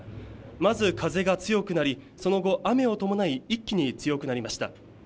まず風が強くなり、その後雨を伴い一気に強くなりました。